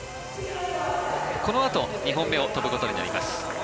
このあと２本目を飛ぶことになります。